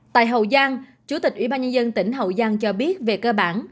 tại hậu giang chủ tịch ủy ban nhân dân tỉnh hậu giang cho biết về cơ bản